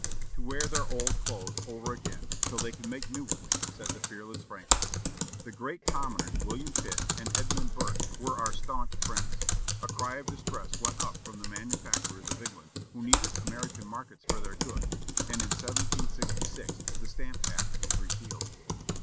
"To wear their old clothes over again, till they can make new ones," said the fearless Franklin. The great commoners William Pitt and Edmund Burke were our stanch friends. A cry of distress went up from the manufacturers of England, who needed American markets for their goods, and in 1766 the Stamp Act was repealed.